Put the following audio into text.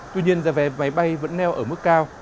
tuy nhiên giá vé máy bay vẫn neo ở mức cao